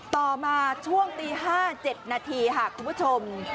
ต่อมาช่วงตี๕๗นาทีค่ะคุณผู้ชม